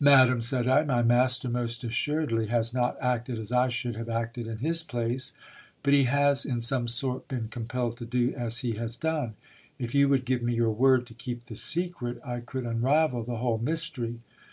Madam, said I, my master most assuredly has not acted as I should have acted in his place. But he has in some sort "'been compelled to do as he has done. If you would give me your word to keep the secret, I could unravel the whole mystery.